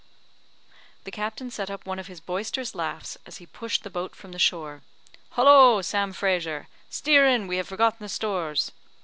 The captain set up one of his boisterous laughs as he pushed the boat from the shore. "Hollo! Sam Frazer! steer in, we have forgotten the stores."